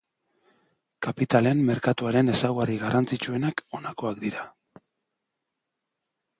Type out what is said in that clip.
Kapitalen merkatuaren ezaugarri garrantzitsuenak honakoak dira.